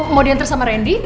mau diantar sama randy